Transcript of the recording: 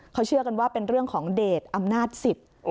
เขาเชื่อกันว่าเป็นเรื่องของเดทอำนาจสิทธิ์